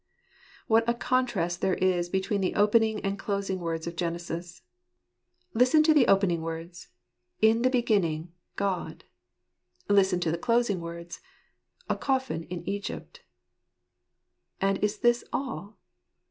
What a contrast there is between the opening and dosing words of Genesis / Listen to the opening words :" In the beginning, God." Listen to the closing words, u A coffin in Egypt" And is this all